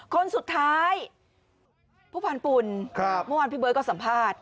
คนสุดท้ายผู้พันธ์ปุ่นเมื่อวานพี่เบิร์ตก็สัมภาษณ์